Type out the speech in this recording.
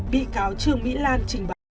bị cáo trương mỹ lan trình báo